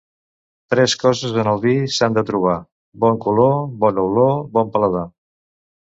Tres coses en el vi s'han de trobar: bon color, bona olor, bon paladar.